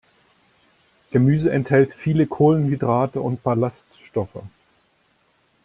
Gemüse enthält viele Kohlenhydrate und Ballaststoffe.